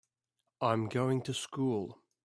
I'm going to school.